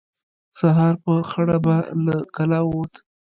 سهار په خړه به له کلا ووت.